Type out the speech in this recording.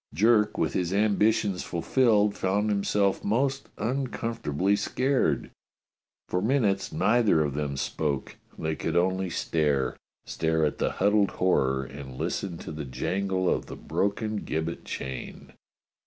Jerk, with his ambitions fulfilled, found himself most uncomfortably scared. For minutes neither of them spoke. They could only stare. Stare at the huddled horror and listen to the jangle of the broken gibbet chain.